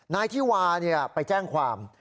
นายที่วาไปแจ้งความ